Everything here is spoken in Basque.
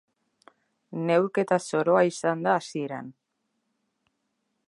Neurketa zoroa izan da hasieran.